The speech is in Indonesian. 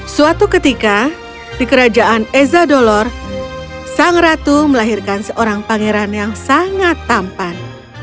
suatu ketika di kerajaan ezadolor sang ratu melahirkan seorang pangeran yang sangat tampan